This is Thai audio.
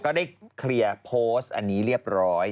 ก็ได้เคลียร์โพสต์อันนี้เรียบร้อย